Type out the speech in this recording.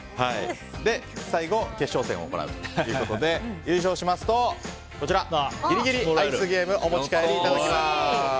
最後、決勝戦を行うということで優勝しますとギリギリアイスゲームをお持ち帰りいただけます！